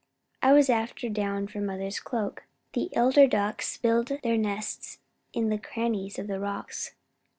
"I was after down for mother's cloak. The eider ducks build their nests in the crannies of the rocks.